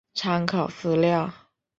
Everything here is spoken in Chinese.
参考资料